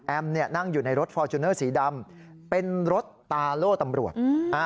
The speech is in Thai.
นั่งอยู่ในรถฟอร์จูเนอร์สีดำเป็นรถตาโล่ตำรวจ